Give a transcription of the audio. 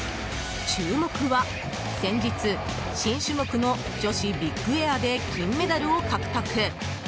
注目は先日、新種目の女子ビッグエアで金メダルを獲得。